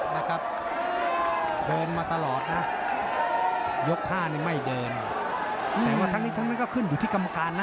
นะครับเดินมาตลอดนะยกห้านี่ไม่เดินแต่ว่าทั้งนี้ทั้งนั้นก็ขึ้นอยู่ที่กรรมการนะ